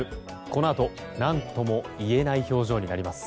このあと何とも言えない表情になります。